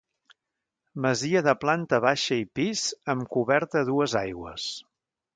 Masia de planta baixa i pis amb coberta a dues aigües.